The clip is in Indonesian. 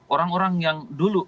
orang orang yang dulu